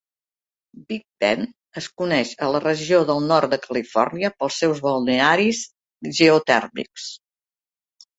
Big Bend es coneix a la regió del Nord de Califòrnia pels seus balnearis geotèrmics.